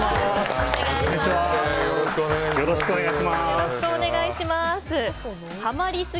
よろしくお願いします。